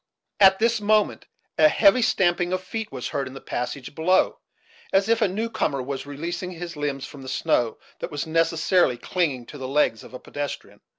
At this moment, a heavy stamping of feet was heard in the passage below, as if a new comer was releasing his limbs from the snow that was necessarily clinging to the legs of a pedestrian.